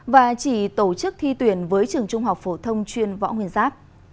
và chỉ tổ chức thi tuyển với trường trung học phổ thông chuyên võ nguyên giáp